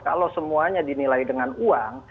kalau semuanya dinilai dengan uang